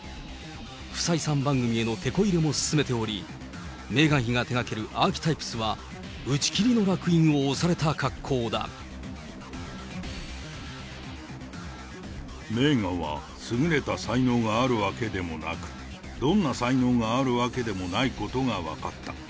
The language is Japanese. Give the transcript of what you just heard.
不採算番組へのてこ入れも進めており、メーガン妃が手がけるアーキタイプスは打ち切りのらく印を押されメーガンは優れた才能があるわけでもなく、どんな才能があるわけでもないことが分かった。